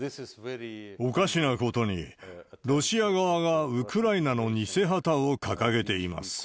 おかしなことに、ロシア側がウクライナの偽旗を掲げています。